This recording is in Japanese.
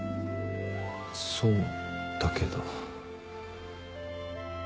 そうだけど。